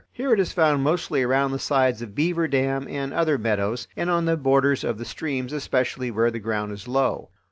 Here it is found mostly around the sides of beaver dam and other meadows and on the borders of the streams, especially where the ground is low.